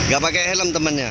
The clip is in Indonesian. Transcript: gak pakai helm temannya